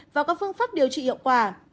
và các phương pháp điều trị hiệu quả